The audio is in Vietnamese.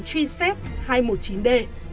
truy xét hai trăm một mươi chín d